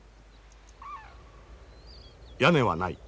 屋根はない。